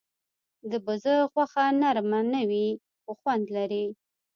د بزه غوښه نرم نه وي، خو خوند لري.